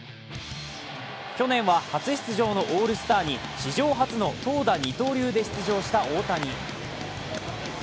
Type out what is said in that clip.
去年は初出場のオールスターに史上初の投打二刀流で出場した大谷。